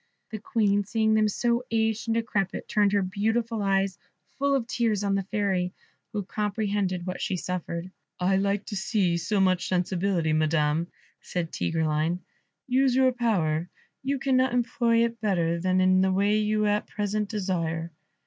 The Queen seeing them so aged and decrepit, turned her beautiful eyes, full of tears, on the Fairy, who comprehended what she suffered. "I like to see so much sensibility, madam," said Tigreline; "use your power, you cannot employ it better than in the way you at present desire."